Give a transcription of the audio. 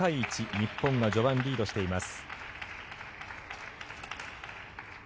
日本が序盤、リードしています。